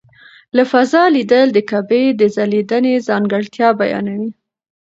له فضا لیدل د کعبې د ځلېدنې ځانګړتیا بیانوي.